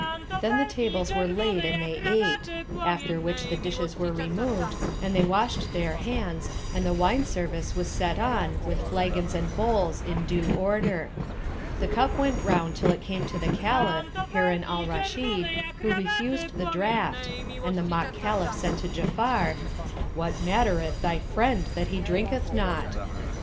Then the tables were laid and they ate; after which the dishes were removed and they washed their hands and the wine service was set on with flagons and bowls in due order. The cup went round till it came to the Caliph, Harun al Rashid, who refused the draught, and the mock Caliph said to Ja'afar, "What mattereth thy friend that he drinketh not?"